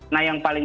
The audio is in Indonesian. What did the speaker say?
nah yang paling